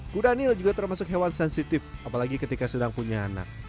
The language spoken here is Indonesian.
kudanil juga termasuk hewan sensitif apalagi ketika sedang punya anak